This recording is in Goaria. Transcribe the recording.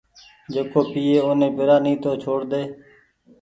جيڪو پيئي اوني پيرآ ني تو چهوڙ ۮي